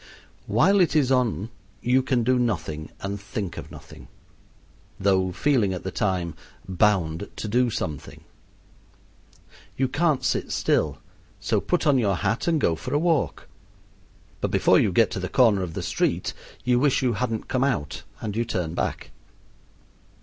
While it is on you can do nothing and think of nothing, though feeling at the time bound to do something. You can't sit still so put on your hat and go for a walk; but before you get to the corner of the street you wish you hadn't come out and you turn back.